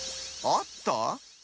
あった？